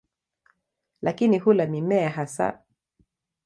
Lakini hula mimea hasa.